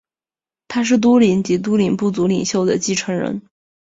他是都灵及都灵部族领袖的继承人。